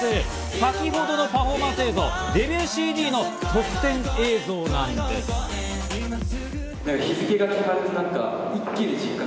先ほどの映像はデビューＣＤの特典映像なんです。